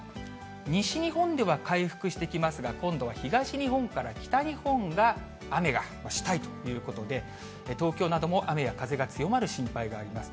西日本では回復してきますが、今度は東日本から北日本が雨が主体ということで、東京なども雨や風が強まる心配があります。